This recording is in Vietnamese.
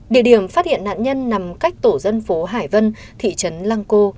địa điểm phát hiện nạn nhân nằm cách tổ dân phố hải vân thị trấn lăng cô